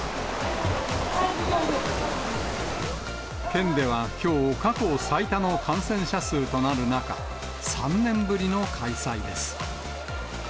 県ではきょう、過去最多の感染者数となる中、３年ぶりの開催です。